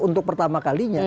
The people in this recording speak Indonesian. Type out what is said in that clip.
untuk pertama kalinya